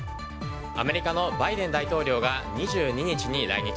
アメリカのバイデン大統領が２２日に来日。